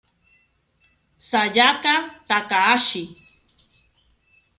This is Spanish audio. Sayaka Takahashi